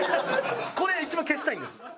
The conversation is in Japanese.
これ一番消したいんです。